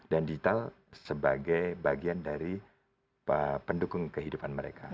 dan digital sebagai bagian dari pendukung kehidupan mereka